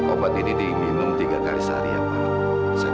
obat ini di minum tiga kali sehari ya pak